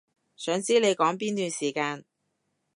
想知你講邊段時間